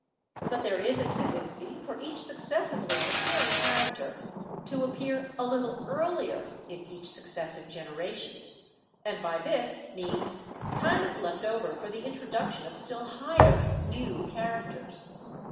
But there is a tendency for each suc cessively appearing character to appear a little earlier in each successive generation ; and by this means time is left over for the introduction of still higher new characters.